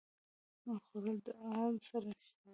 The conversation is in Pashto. خوړل د دعا سره شته وي